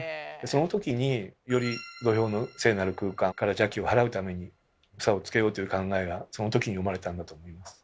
そのときにより土俵の聖なる空間から邪気を払うために房をつけようという考えがそのときに生まれたんだと思います。